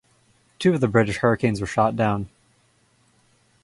Two of the British Hurricanes were shot down.